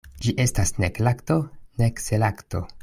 Ĝi estas nek lakto, nek selakto.